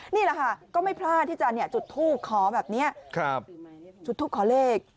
นี่แหละค่ะก็ไม่พลาดที่จะจุดทูปขอแบบนี้จุดทูปขอเลข